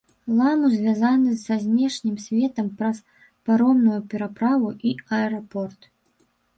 Ламу звязаны са знешнім светам праз паромную пераправу і аэрапорт.